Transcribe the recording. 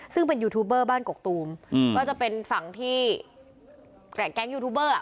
ซึ่งเป็นยูทูบเบอร์บ้านกกตูมก็จะเป็นฝั่งที่แก๊งยูทูบเบอร์